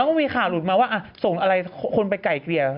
ก็มีข่าวหลุดมาว่าส่งอะไรคนไปไกลเกลี่ย